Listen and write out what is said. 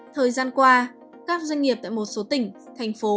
thời gian qua các doanh nghiệp tại một số tỉnh thành phố